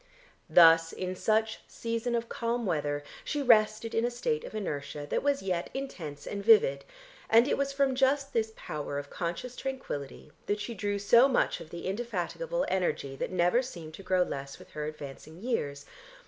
Thus in such "season of calm weather" she rested in a state of inertia that was yet intense and vivid, and it was from just this power of conscious tranquillity that she drew so much of the indefatigable energy that never seemed to grow less with her advancing years.